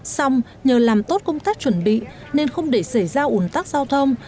xong nhờ làm tốt công tác chuẩn bị nên không để xảy ra ủn tắc giao thông